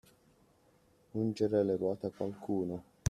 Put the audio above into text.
Ungere le ruote a qualcuno.